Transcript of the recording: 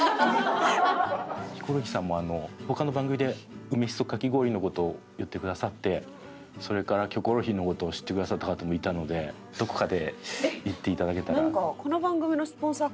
ヒコロヒーさんも他の番組で梅しそかき氷の事言ってくださってそれから『キョコロヒー』の事を知ってくださった方もいたのでどこかで言っていただけたら。